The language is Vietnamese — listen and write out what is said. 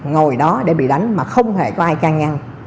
ngồi đó để bị đánh mà không hề có ai ca ngăn